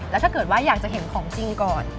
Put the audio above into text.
แล้วถ้าเกิดว่าอยากจะเห็นของจริงก่อน